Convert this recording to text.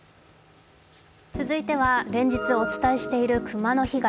続いては連日お伝えしている熊の被害